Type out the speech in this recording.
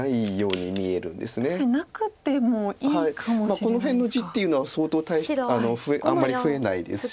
この辺の地っていうのは相当あんまり増えないですし。